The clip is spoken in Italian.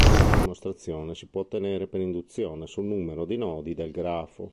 La dimostrazione si può ottenere per induzione sul numero di nodi del grafo.